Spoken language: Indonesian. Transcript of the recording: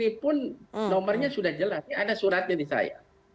dan ini pun nomernya sudah jelas ada suratnya di saya